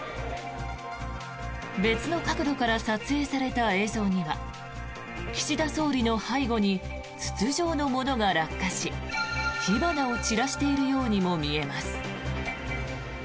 別の角度から撮影された映像には岸田総理の背後に筒状のものが落下し火花を散らしているようにも見えます。